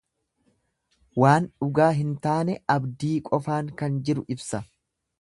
Waan dhugaa hin taane, abdii qofaan kan jiru ibsa.